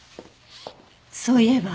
そういえば。